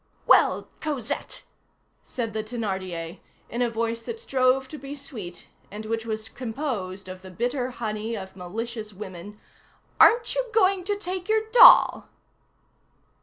"Well, Cosette," said the Thénardier, in a voice that strove to be sweet, and which was composed of the bitter honey of malicious women, "aren't you going to take your doll?"